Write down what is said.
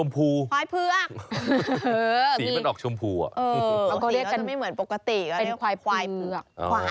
เป็นควายพือกควายพือก